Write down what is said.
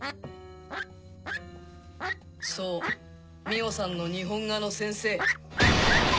そう美緒さんの日本画の先生。